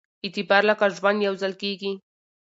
اعتبار لکه ژوند يوځل کېږي